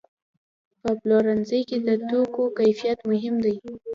په پلورنځي کې د توکو کیفیت مهم دی.